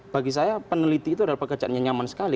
bagi saya peneliti itu adalah pekerjaannya nyaman sekali